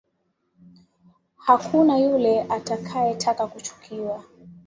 Hakuna yule atakaye taka kuchukiwa